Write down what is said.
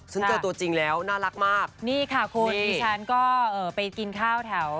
ฉันเจอตัวจริงแล้วน่ารักมากนี่ค่ะคุณชั้นก็ไปกินคร่าวแถว